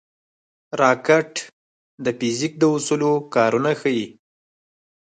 راکټ د فزیک د اصولو کارونه ښيي